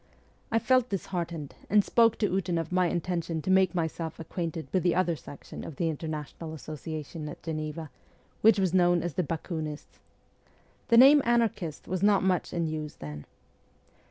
I felt disheartened, and spoke to Ootin of my intention to make myself acquainted with the other section of the International Association at Geneva, which was known as the Bakunists. The name ' anarchist ' was not much in use then.